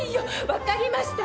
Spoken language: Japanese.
わかりました。